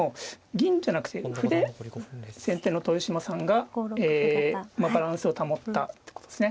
銀じゃなくて歩で先手の豊島さんがバランスを保ったってことですね。